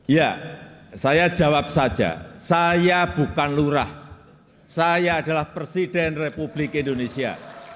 ya saya jawab saja saya bukan lurah saya adalah presiden republik indonesia